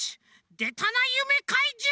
でたなゆめかいじゅう！